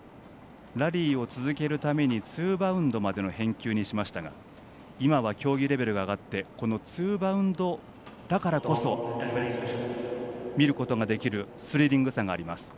ラリーを続けるためにツーバウンドまでの返球にしましたが今は競技レベルが上がってツーバウンドだからこそ見ることができるスリリングさがあります。